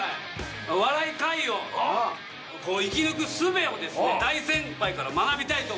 お笑い界を生き抜くすべを大先輩から学びたいと思います。